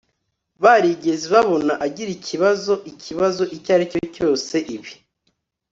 barigeze babona agira ikibazo ikibazo icyari cyo cyose ibi